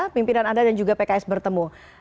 pimpinan anda dan juga pks bertemu